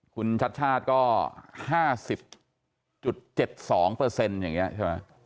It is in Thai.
คุณชัดชาติก็๕๐๗๒อย่างนี้ใช่ไหม